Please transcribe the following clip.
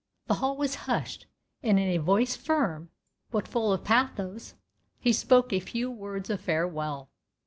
The hall was hushed, and in a voice firm, but full of pathos, he spoke a few words of farewell.